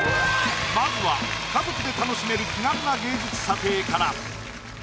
まずは家族で楽しめる気軽な芸術査定から。